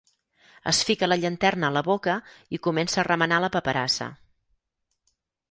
Es fica la llanterna a la boca i comença a remenar la paperassa.